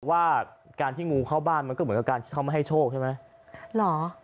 ว่าการที่งูเข้าบ้านมันก็เหมือนกับการที่เขามาให้โชคใช่ไหมเหรอ